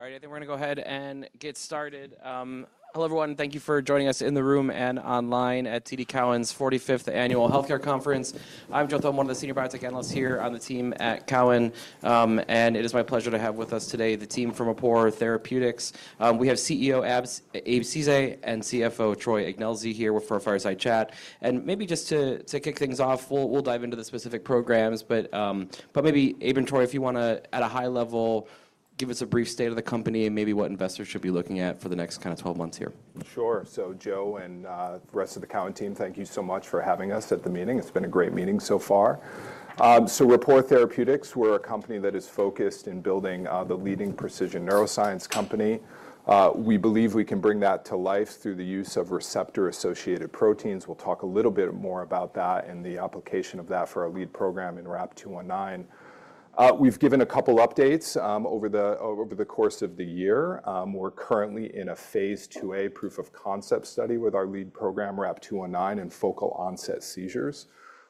All right, I think we're going to go ahead and get started. Hello, everyone. Thank you for joining us in the room and online at TD Cowen's 45th Annual Healthcare Conference. I'm Joe Thome, one of the Senior Biotech Analysts here on the team at Cowen, and it is my pleasure to have with us today the team from Rapport Therapeutics. We have CEO Abraham Ceesay and CFO Troy Ignelzi here for a fireside chat. Maybe just to kick things off, we'll dive into the specific programs. Maybe, Abe and Troy, if you want to, at a high level, give us a brief state of the company and maybe what investors should be looking at for the next kind of 12 months here. Sure. Joe and the rest of the Cowen team, thank you so much for having us at the meeting. It's been a great meeting so far. Rapport Therapeutics, we're a company that is focused in building the leading precision neuroscience company. We believe we can bring that to life through the use of receptor-associated proteins. We'll talk a little bit more about that and the application of that for our lead program in RAP-219. We've given a couple of updates over the course of the year. We're currently in a phase 2A proof of concept study with our lead program, RAP-219, in focal onset seizures.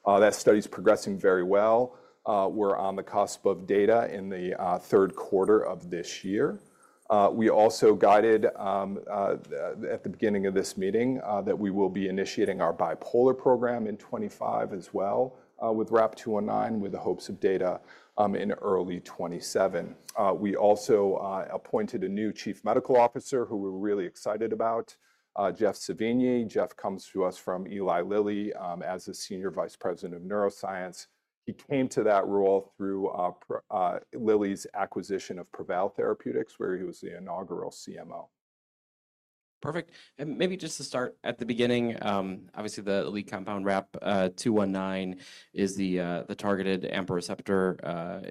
That study is progressing very well. We're on the cusp of data in the third quarter of this year. We also guided at the beginning of this meeting that we will be initiating our bipolar program in 2025 as well with RAP-219, with the hopes of data in early 2027. We also appointed a new Chief Medical Officer who we're really excited about, Jeff Sevigny. Jeff comes to us from Eli Lilly as a Senior Vice President of neuroscience. He came to that role through Lilly's acquisition of Prevail Therapeutics, where he was the inaugural CMO. Perfect. Maybe just to start at the beginning, obviously the lead compound, RAP-219, is the targeted AMPA receptor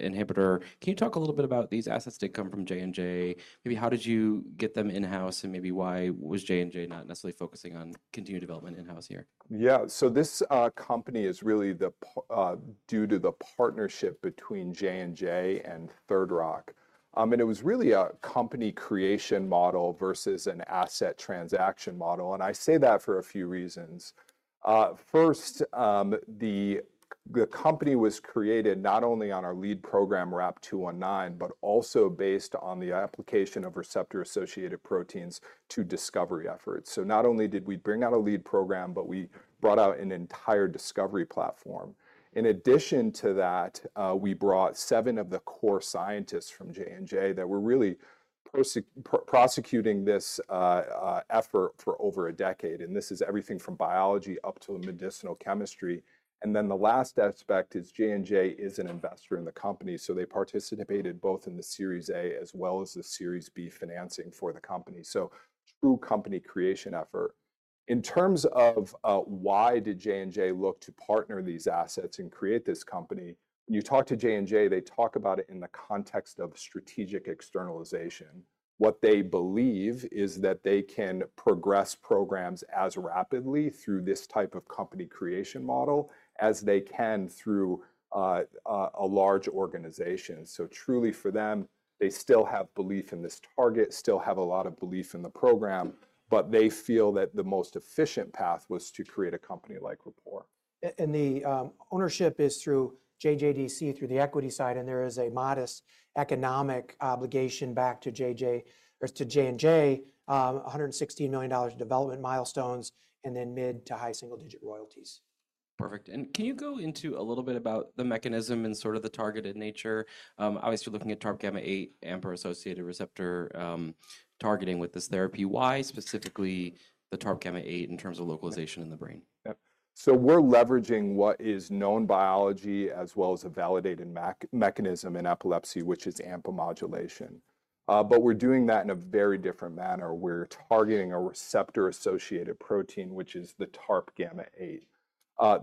inhibitor. Can you talk a little bit about these assets that come from J&J? Maybe how did you get them in-house and maybe why was J&J not necessarily focusing on continued development in-house here? Yeah, this company is really due to the partnership between Johnson & Johnson and Third Rock. It was really a company creation model versus an asset transaction model. I say that for a few reasons. First, the company was created not only on our lead program, RAP-219, but also based on the application of receptor-associated proteins to discovery efforts. Not only did we bring out a lead program, but we brought out an entire discovery platform. In addition to that, we brought seven of the core scientists from Johnson & Johnson that were really prosecuting this effort for over a decade. This is everything from biology up to the medicinal chemistry. The last aspect is Johnson & Johnson is an investor in the company. They participated both in the Series A as well as the Series B financing for the company. True company creation effort. In terms of why did J&J look to partner these assets and create this company? When you talk to J&J, they talk about it in the context of strategic externalization. What they believe is that they can progress programs as rapidly through this type of company creation model as they can through a large organization. Truly for them, they still have belief in this target, still have a lot of belief in the program, but they feel that the most efficient path was to create a company like Rapport. The ownership is through JJDC, through the equity side, and there is a modest economic obligation back to JJ or to J&J, $116 million in development milestones and then mid to high single-digit royalties. Perfect. Can you go into a little bit about the mechanism and sort of the targeted nature? Obviously looking at TARP gamma-8, AMPA-associated receptor targeting with this therapy. Why specifically the TARP gamma-8 in terms of localization in the brain? Yeah, so we're leveraging what is known biology as well as a validated mechanism in epilepsy, which is AMPA modulation. We're doing that in a very different manner. We're targeting a receptor-associated protein, which is the TARP gamma-8.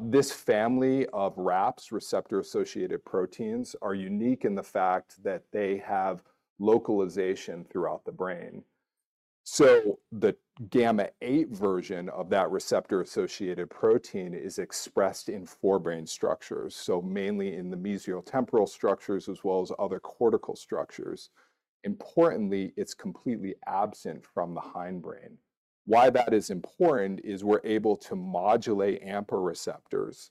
This family of RAPs, receptor-associated proteins, are unique in the fact that they have localization throughout the brain. The gamma-8 version of that receptor-associated protein is expressed in forebrain structures, mainly in the mesial temporal structures as well as other cortical structures. Importantly, it's completely absent from the hindbrain. Why that is important is we're able to modulate AMPA receptors,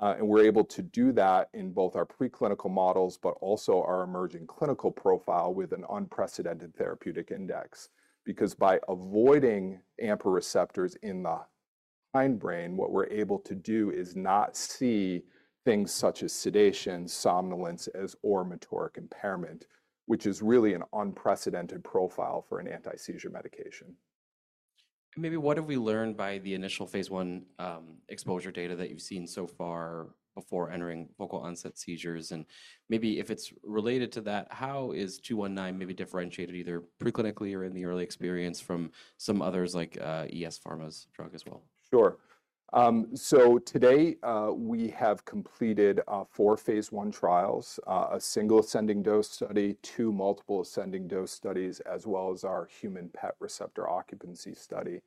and we're able to do that in both our preclinical models, but also our emerging clinical profile with an unprecedented therapeutic index. Because by avoiding AMPA receptors in the hindbrain, what we're able to do is not see things such as sedation, somnolence, or motoric impairment, which is really an unprecedented profile for an anti-seizure medication. Maybe what have we learned by the initial phase 1 exposure data that you've seen so far before entering focal onset seizures? Maybe if it's related to that, how is 219 maybe differentiated either preclinically or in the early experience from some others like ES Pharma's drug as well? Sure. Today we have completed four phase I trials, a single ascending dose study, two multiple ascending dose studies, as well as our human PET receptor occupancy study.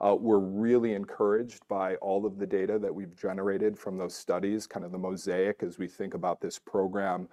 We're really encouraged by all of the data that we've generated from those studies, kind of the mosaic as we think about this program,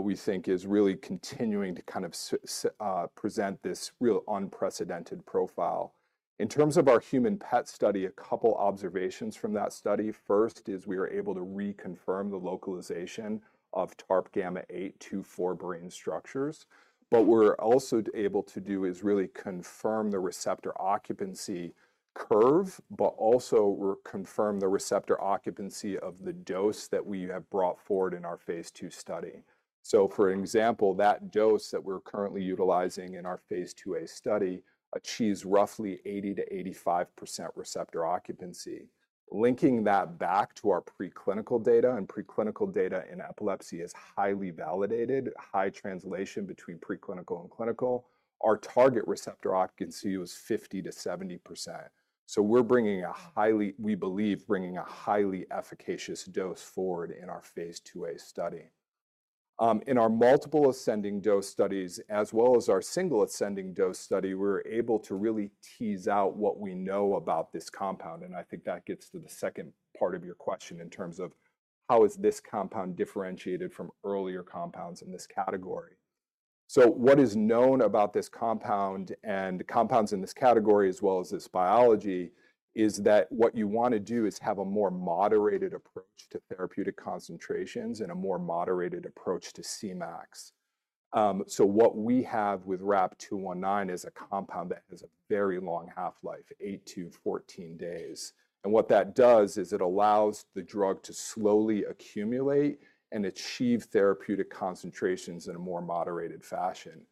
we think is really continuing to kind of present this real unprecedented profile. In terms of our human PET study, a couple of observations from that study. First is we were able to reconfirm the localization of TARP gamma-8 to forebrain structures. What we're also able to do is really confirm the receptor occupancy curve, but also confirm the receptor occupancy of the dose that we have brought forward in our phase II study. For example, that dose that we're currently utilizing in our phase IIa study achieves roughly 80-85% receptor occupancy. Linking that back to our preclinical data, and preclinical data in epilepsy is highly validated, high translation between preclinical and clinical. Our target receptor occupancy was 50-70%. We are bringing a highly, we believe, bringing a highly efficacious dose forward in our phase 2A study. In our multiple ascending dose studies, as well as our single ascending dose study, we are able to really tease out what we know about this compound. I think that gets to the second part of your question in terms of how is this compound differentiated from earlier compounds in this category. What is known about this compound and compounds in this category, as well as its biology, is that what you want to do is have a more moderated approach to therapeutic concentrations and a more moderated approach to CMAX. What we have with RAP-219 is a compound that has a very long half-life, 8-14 days. What that does is it allows the drug to slowly accumulate and achieve therapeutic concentrations in a more moderated fashion.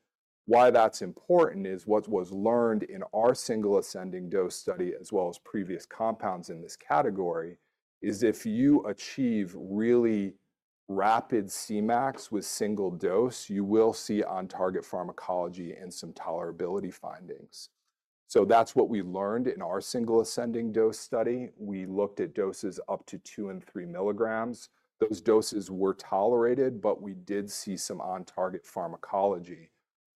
Why that's important is what was learned in our single ascending dose study, as well as previous compounds in this category, is if you achieve really rapid CMAX with single dose, you will see on-target pharmacology and some tolerability findings. That's what we learned in our single ascending dose study. We looked at doses up to 2 and 3 mg. Those doses were tolerated, but we did see some on-target pharmacology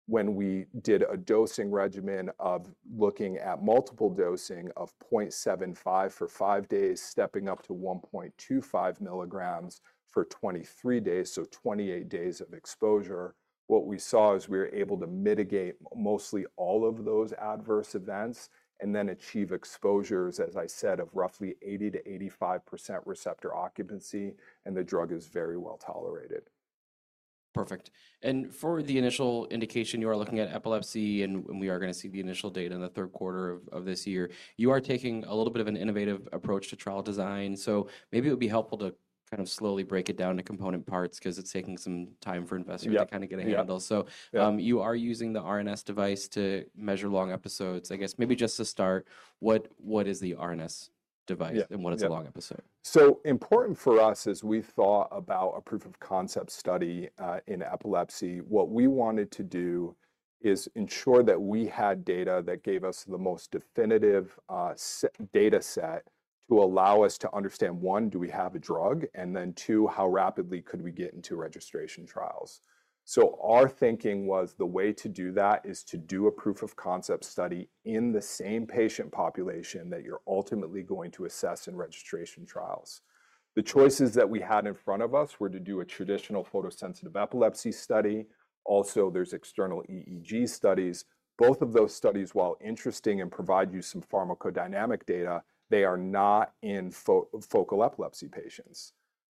when we did a dosing regimen of looking at multiple dosing of 0.75 mg for five days, stepping up to 1.25 mg for 23 days, so 28 days of exposure. What we saw is we were able to mitigate mostly all of those adverse events and then achieve exposures, as I said, of roughly 80-85% receptor occupancy, and the drug is very well tolerated. Perfect. For the initial indication, you are looking at epilepsy, and we are going to see the initial data in the third quarter of this year. You are taking a little bit of an innovative approach to trial design. Maybe it would be helpful to kind of slowly break it down into component parts because it is taking some time for investors to kind of get a handle. You are using the RNS device to measure long episodes. I guess maybe just to start, what is the RNS device and what is a long episode? Important for us as we thought about a proof of concept study in epilepsy, what we wanted to do is ensure that we had data that gave us the most definitive data set to allow us to understand, one, do we have a drug, and then two, how rapidly could we get into registration trials. Our thinking was the way to do that is to do a proof of concept study in the same patient population that you're ultimately going to assess in registration trials. The choices that we had in front of us were to do a traditional photosensitive epilepsy study. Also, there's external EEG studies. Both of those studies, while interesting and provide you some pharmacodynamic data, they are not in focal epilepsy patients.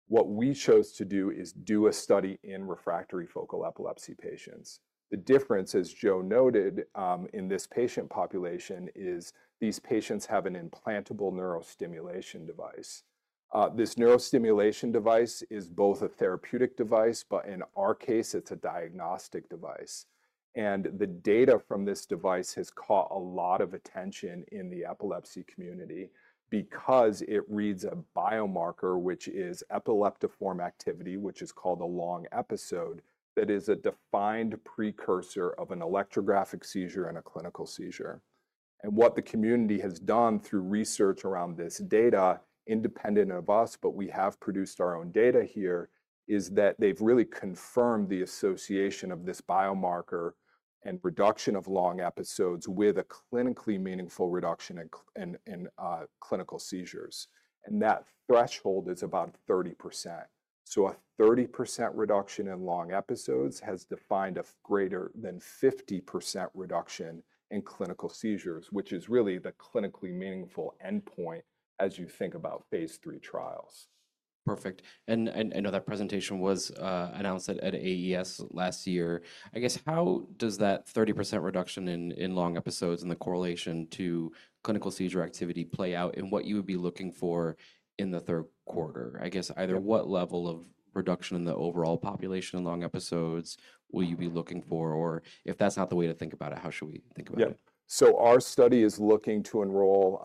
What we chose to do is do a study in refractory focal epilepsy patients. The difference, as Joe noted, in this patient population is these patients have an implantable neurostimulation device. This neurostimulation device is both a therapeutic device, but in our case, it's a diagnostic device. The data from this device has caught a lot of attention in the epilepsy community because it reads a biomarker, which is epileptiform activity, which is called a long episode, that is a defined precursor of an electrographic seizure and a clinical seizure. What the community has done through research around this data, independent of us, but we have produced our own data here, is that they've really confirmed the association of this biomarker and reduction of long episodes with a clinically meaningful reduction in clinical seizures. That threshold is about 30%. A 30% reduction in long episodes has defined a greater than 50% reduction in clinical seizures, which is really the clinically meaningful endpoint as you think about phase 3 trials. Perfect. I know that presentation was announced at AES last year. I guess how does that 30% reduction in long episodes and the correlation to clinical seizure activity play out in what you would be looking for in the third quarter? I guess either what level of reduction in the overall population in long episodes will you be looking for, or if that's not the way to think about it, how should we think about it? Yeah. Our study is looking to enroll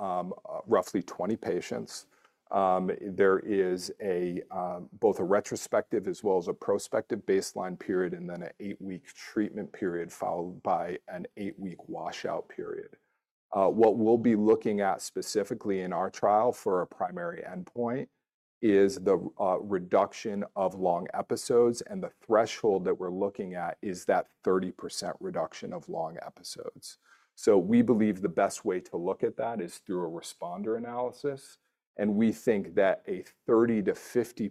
roughly 20 patients. There is both a retrospective as well as a prospective baseline period and then an eight-week treatment period followed by an eight-week washout period. What we'll be looking at specifically in our trial for a primary endpoint is the reduction of long episodes, and the threshold that we're looking at is that 30% reduction of long episodes. We believe the best way to look at that is through a responder analysis. We think that a 30-50%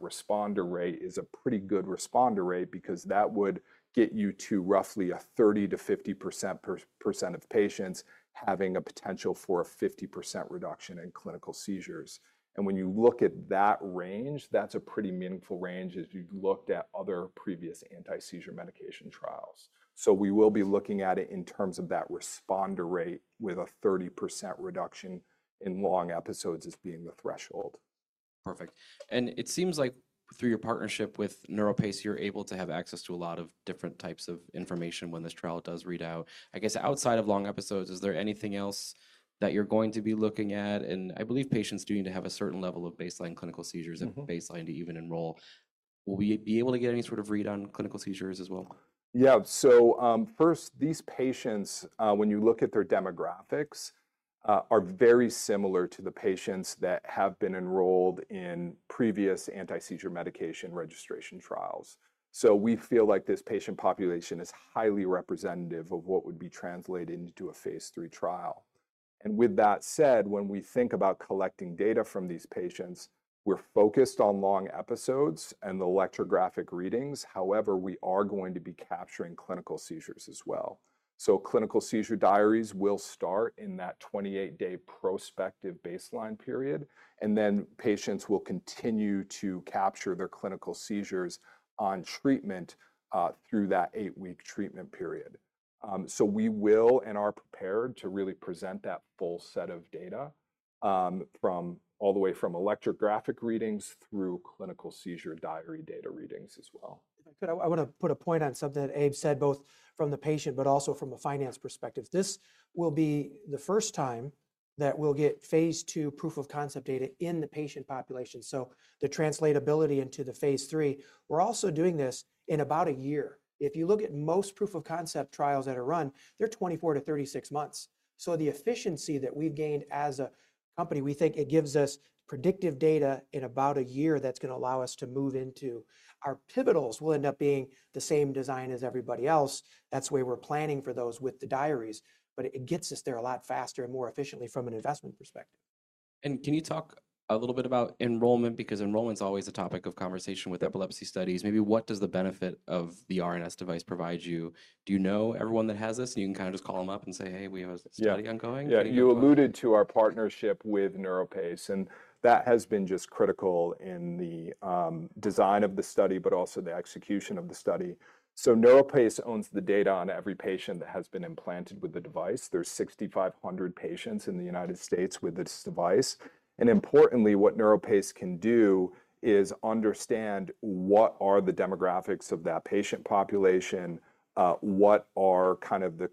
responder rate is a pretty good responder rate because that would get you to roughly 30-50% of patients having a potential for a 50% reduction in clinical seizures. When you look at that range, that's a pretty meaningful range as you looked at other previous anti-seizure medication trials. We will be looking at it in terms of that responder rate with a 30% reduction in long episodes as being the threshold. Perfect. It seems like through your partnership with NeuroPace, you're able to have access to a lot of different types of information when this trial does read out. I guess outside of long episodes, is there anything else that you're going to be looking at? I believe patients do need to have a certain level of baseline clinical seizures and baseline to even enroll. Will we be able to get any sort of read on clinical seizures as well? Yeah. First, these patients, when you look at their demographics, are very similar to the patients that have been enrolled in previous anti-seizure medication registration trials. We feel like this patient population is highly representative of what would be translated into a phase 3 trial. With that said, when we think about collecting data from these patients, we're focused on long episodes and the electrographic readings. However, we are going to be capturing clinical seizures as well. Clinical seizure diaries will start in that 28-day prospective baseline period, and then patients will continue to capture their clinical seizures on treatment through that eight-week treatment period. We will and are prepared to really present that full set of data all the way from electrographic readings through clinical seizure diary data readings as well. If I could, I want to put a point on something that Abe said, both from the patient, but also from a finance perspective. This will be the first time that we'll get phase 2 proof of concept data in the patient population. The translatability into the phase 3, we're also doing this in about a year. If you look at most proof of concept trials that are run, they're 24-36 months. The efficiency that we've gained as a company, we think it gives us predictive data in about a year that's going to allow us to move into our pivotals will end up being the same design as everybody else. That's the way we're planning for those with the diaries, but it gets us there a lot faster and more efficiently from an investment perspective. Can you talk a little bit about enrollment? Because enrollment's always a topic of conversation with epilepsy studies. Maybe what does the benefit of the RNS device provide you? Do you know everyone that has this? You can kind of just call them up and say, "Hey, we have a study ongoing. Yeah. You alluded to our partnership with NeuroPace, and that has been just critical in the design of the study, but also the execution of the study. NeuroPace owns the data on every patient that has been implanted with the device. There are 6,500 patients in the United States with this device. Importantly, what NeuroPace can do is understand what are the demographics of that patient population, what is the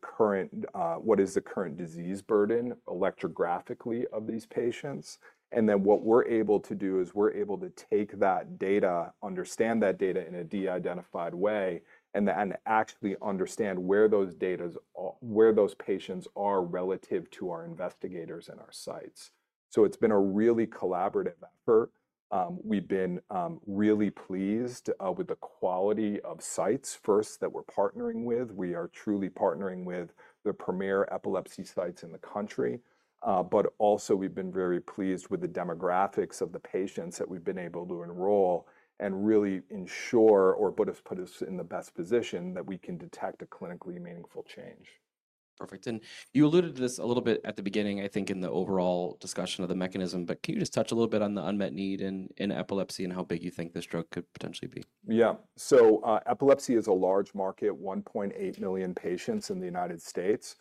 current disease burden electrographically of these patients. What we're able to do is we're able to take that data, understand that data in a de-identified way, and actually understand where those patients are relative to our investigators and our sites. It has been a really collaborative effort. We've been really pleased with the quality of sites first that we're partnering with. We are truly partnering with the premier epilepsy sites in the country. Also, we've been very pleased with the demographics of the patients that we've been able to enroll and really ensure, or put us in the best position, that we can detect a clinically meaningful change. Perfect. You alluded to this a little bit at the beginning, I think, in the overall discussion of the mechanism, but can you just touch a little bit on the unmet need in epilepsy and how big you think this drug could potentially be? Yeah. Epilepsy is a large market, 1.8 million patients in the United States.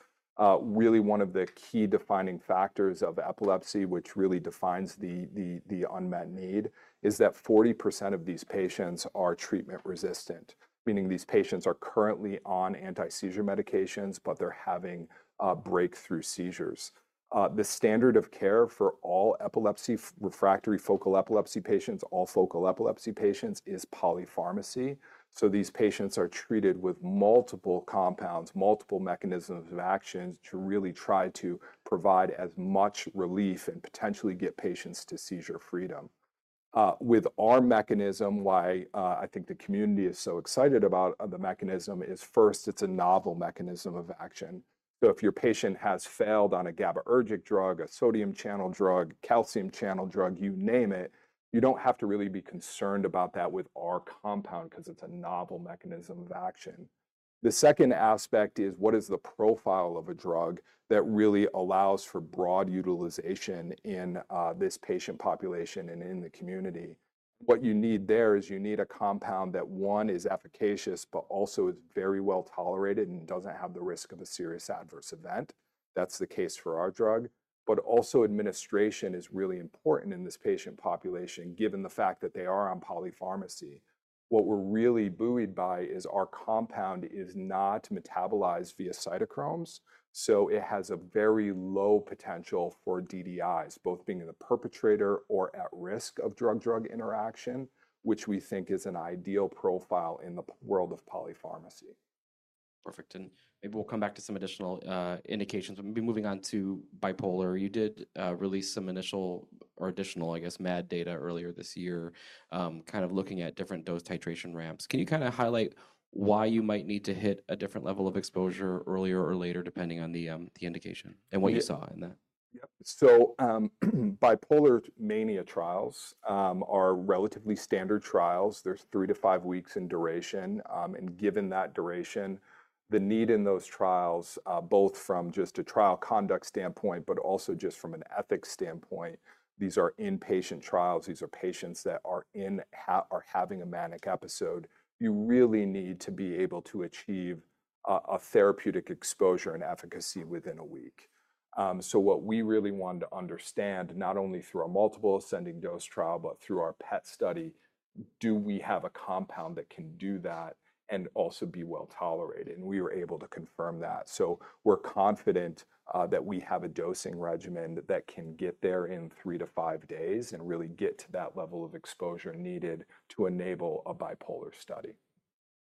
Really, one of the key defining factors of epilepsy, which really defines the unmet need, is that 40% of these patients are treatment resistant, meaning these patients are currently on anti-seizure medications, but they're having breakthrough seizures. The standard of care for all epilepsy, refractory focal epilepsy patients, all focal epilepsy patients is polypharmacy. These patients are treated with multiple compounds, multiple mechanisms of action to really try to provide as much relief and potentially get patients to seizure freedom. With our mechanism, why I think the community is so excited about the mechanism is first, it's a novel mechanism of action. If your patient has failed on a gabapentin drug, a sodium channel drug, calcium channel drug, you name it, you don't have to really be concerned about that with our compound because it's a novel mechanism of action. The second aspect is what is the profile of a drug that really allows for broad utilization in this patient population and in the community. What you need there is you need a compound that, one, is efficacious, but also is very well tolerated and doesn't have the risk of a serious adverse event. That's the case for our drug. Also, administration is really important in this patient population, given the fact that they are on polypharmacy. What we're really buoyed by is our compound is not metabolized via cytochromes. It has a very low potential for DDIs, both being the perpetrator or at risk of drug-drug interaction, which we think is an ideal profile in the world of polypharmacy. Perfect. Maybe we'll come back to some additional indications. Maybe moving on to bipolar. You did release some initial or additional, I guess, MAD data earlier this year, kind of looking at different dose titration ramps. Can you kind of highlight why you might need to hit a different level of exposure earlier or later, depending on the indication and what you saw in that? Yep. Bipolar mania trials are relatively standard trials. They are three to five weeks in duration. Given that duration, the need in those trials, both from just a trial conduct standpoint, but also just from an ethics standpoint, these are inpatient trials. These are patients that are having a manic episode. You really need to be able to achieve a therapeutic exposure and efficacy within a week. What we really wanted to understand, not only through a multiple ascending dose trial, but through our PET study, is do we have a compound that can do that and also be well tolerated? We were able to confirm that. We are confident that we have a dosing regimen that can get there in three to five days and really get to that level of exposure needed to enable a bipolar study.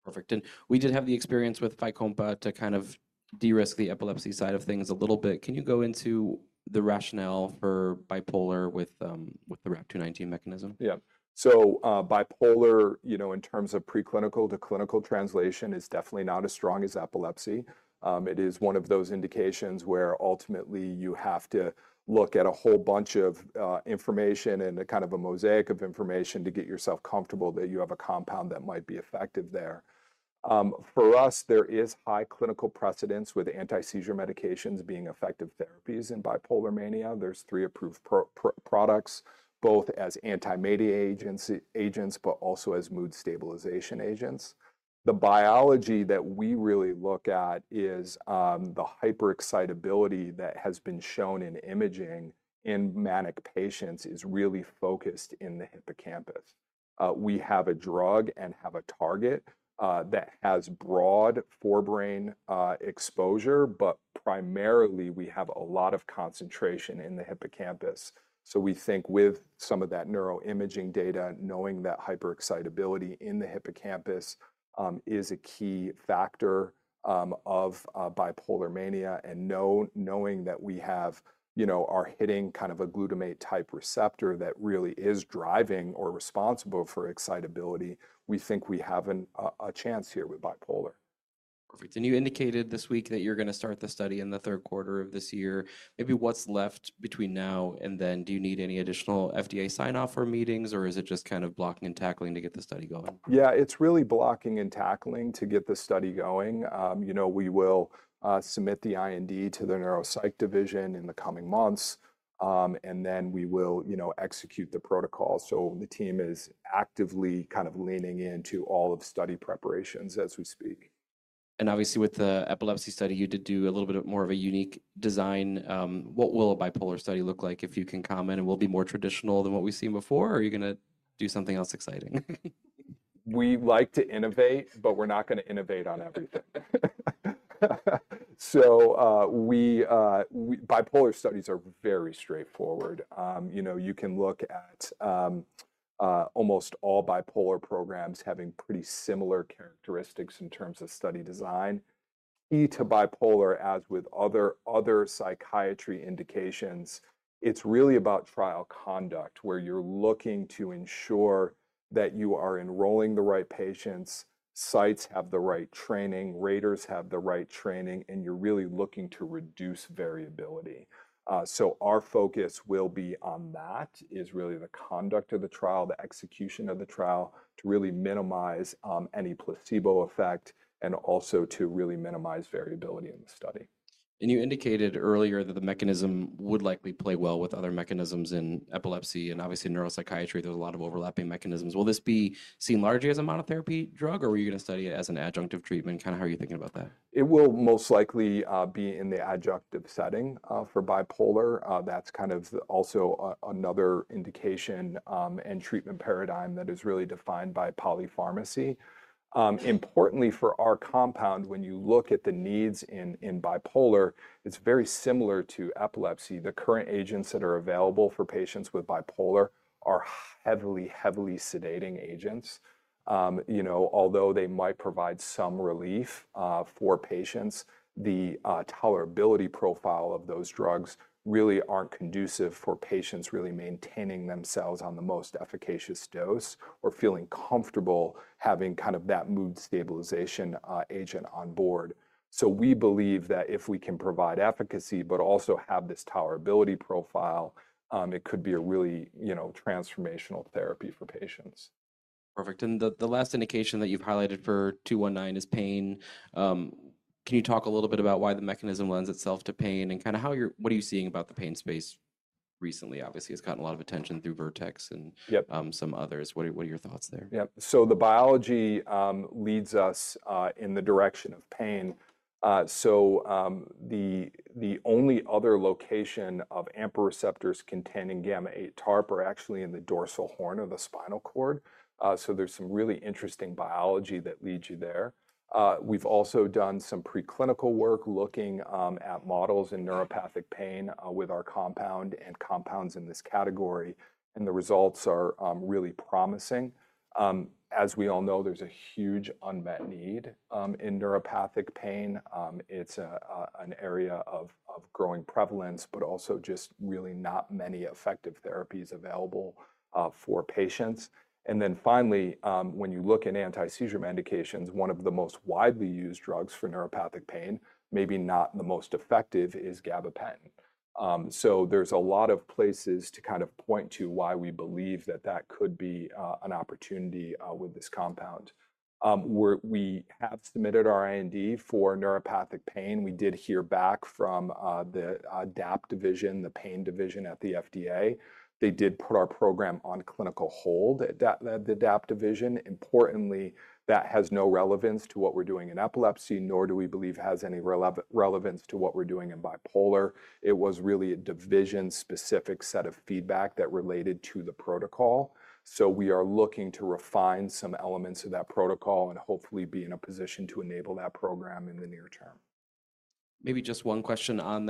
Perfect. We did have the experience with Fycompa to kind of de-risk the epilepsy side of things a little bit. Can you go into the rationale for bipolar with the RAP-219 mechanism? Yeah. Bipolar, in terms of preclinical to clinical translation, is definitely not as strong as epilepsy. It is one of those indications where ultimately you have to look at a whole bunch of information and kind of a mosaic of information to get yourself comfortable that you have a compound that might be effective there. For us, there is high clinical precedence with anti-seizure medications being effective therapies in bipolar mania. There are three approved products, both as anti-mania agents, but also as mood stabilization agents. The biology that we really look at is the hyperexcitability that has been shown in imaging in manic patients is really focused in the hippocampus. We have a drug and have a target that has broad forebrain exposure, but primarily we have a lot of concentration in the hippocampus. We think with some of that neuroimaging data, knowing that hyperexcitability in the hippocampus is a key factor of bipolar mania. And knowing that we are hitting kind of a glutamate-type receptor that really is driving or responsible for excitability, we think we have a chance here with bipolar. Perfect. You indicated this week that you're going to start the study in the third quarter of this year. Maybe what's left between now and then? Do you need any additional FDA sign-off or meetings, or is it just kind of blocking and tackling to get the study going? Yeah, it's really blocking and tackling to get the study going. We will submit the IND to the Neuropsych division in the coming months, and then we will execute the protocol. The team is actively kind of leaning into all of study preparations as we speak. Obviously, with the epilepsy study, you did do a little bit more of a unique design. What will a bipolar study look like if you can comment? Will it be more traditional than what we've seen before, or are you going to do something else exciting? We like to innovate, but we're not going to innovate on everything. Bipolar studies are very straightforward. You can look at almost all bipolar programs having pretty similar characteristics in terms of study design. Key to bipolar, as with other psychiatry indications, it's really about trial conduct where you're looking to ensure that you are enrolling the right patients, sites have the right training, raters have the right training, and you're really looking to reduce variability. Our focus will be on that, is really the conduct of the trial, the execution of the trial to really minimize any placebo effect and also to really minimize variability in the study. You indicated earlier that the mechanism would likely play well with other mechanisms in epilepsy. Obviously, in neuropsychiatry, there's a lot of overlapping mechanisms. Will this be seen largely as a monotherapy drug, or are you going to study it as an adjunctive treatment? Kind of how are you thinking about that? It will most likely be in the adjunctive setting for bipolar. That is kind of also another indication and treatment paradigm that is really defined by polypharmacy. Importantly, for our compound, when you look at the needs in bipolar, it is very similar to epilepsy. The current agents that are available for patients with bipolar are heavily, heavily sedating agents. Although they might provide some relief for patients, the tolerability profile of those drugs really is not conducive for patients really maintaining themselves on the most efficacious dose or feeling comfortable having kind of that mood stabilization agent on board. We believe that if we can provide efficacy, but also have this tolerability profile, it could be a really transformational therapy for patients. Perfect. The last indication that you've highlighted for 219 is pain. Can you talk a little bit about why the mechanism lends itself to pain and kind of what are you seeing about the pain space recently? Obviously, it's gotten a lot of attention through Vertex and some others. What are your thoughts there? Yeah. The biology leads us in the direction of pain. The only other location of AMPA receptors containing gamma-8 TARP are actually in the dorsal horn of the spinal cord. There is some really interesting biology that leads you there. We have also done some preclinical work looking at models in neuropathic pain with our compound and compounds in this category. The results are really promising. As we all know, there is a huge unmet need in neuropathic pain. It is an area of growing prevalence, but also just really not many effective therapies available for patients. Finally, when you look at anti-seizure medications, one of the most widely used drugs for neuropathic pain, maybe not the most effective, is gabapentin. There are a lot of places to kind of point to why we believe that that could be an opportunity with this compound. We have submitted our IND for neuropathic pain. We did hear back from the DAAP division, the pain division at the FDA. They did put our program on clinical hold at the DAAP division. Importantly, that has no relevance to what we're doing in epilepsy, nor do we believe has any relevance to what we're doing in bipolar. It was really a division-specific set of feedback that related to the protocol. We are looking to refine some elements of that protocol and hopefully be in a position to enable that program in the near term. Maybe just one question on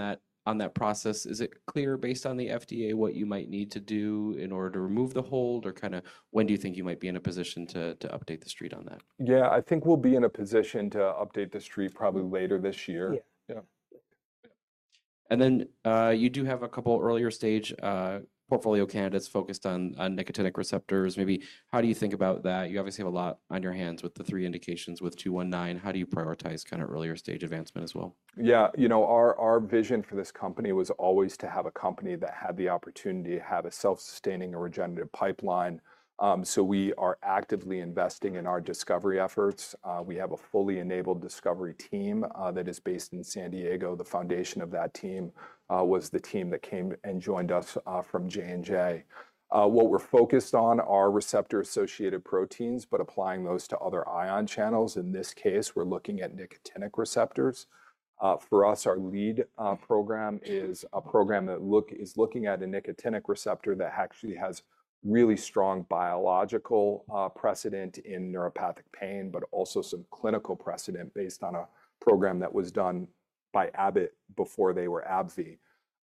that process. Is it clear based on the FDA what you might need to do in order to remove the hold, or kind of when do you think you might be in a position to update the street on that? Yeah, I think we'll be in a position to update the street probably later this year. Yeah. You do have a couple of earlier stage portfolio candidates focused on nicotinic receptors. Maybe how do you think about that? You obviously have a lot on your hands with the three indications with 219. How do you prioritize kind of earlier stage advancement as well? Yeah, you know our vision for this company was always to have a company that had the opportunity to have a self-sustaining or regenerative pipeline. We are actively investing in our discovery efforts. We have a fully enabled discovery team that is based in San Diego. The foundation of that team was the team that came and joined us from Johnson & Johnson. What we're focused on are receptor-associated proteins, but applying those to other ion channels. In this case, we're looking at nicotinic receptors. For us, our lead program is a program that is looking at a nicotinic receptor that actually has really strong biological precedent in neuropathic pain, but also some clinical precedent based on a program that was done by Abbott before they were AbbVie.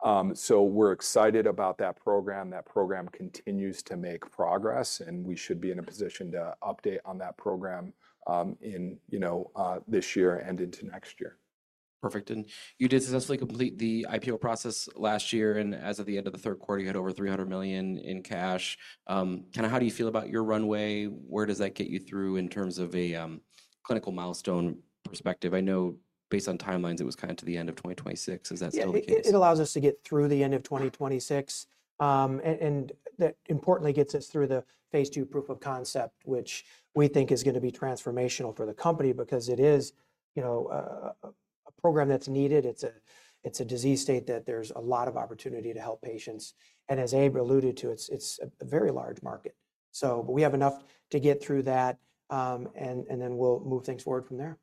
We are excited about that program. That program continues to make progress, and we should be in a position to update on that program this year and into next year. Perfect. You did successfully complete the IPO process last year. As of the end of the third quarter, you had over $300 million in cash. Kind of how do you feel about your runway? Where does that get you through in terms of a clinical milestone perspective? I know based on timelines, it was kind of to the end of 2026. Is that still the case? It allows us to get through the end of 2026. That importantly gets us through the phase two proof of concept, which we think is going to be transformational for the company because it is a program that's needed. It's a disease state that there's a lot of opportunity to help patients. As Abe alluded to, it's a very large market. We have enough to get through that, and then we'll move things forward from there.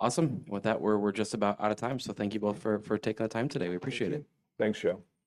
Perfect. Awesome. With that, we're just about out of time. Thank you both for taking the time today. We appreciate it. Thanks, Joe.